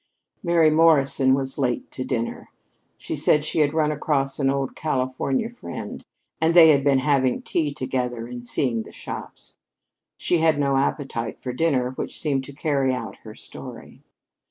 Mary Morrison was late to dinner. She said she had run across an old Californian friend and they had been having tea together and seeing the shops. She had no appetite for dinner, which seemed to carry out her story.